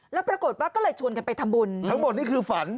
แล้วปรากฏว่าก็เลยชวนกันไปทำบุญ